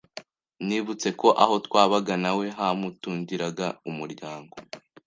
nibutse ko aho twabaga nawe hamutungiraga umuryango